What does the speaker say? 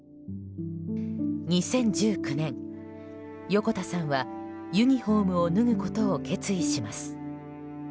２０１９年、横田さんはユニホームを脱ぐことを決意します。